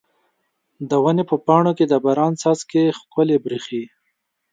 د ونې په پاڼو کې د باران څاڅکي ښکلي ښکاري.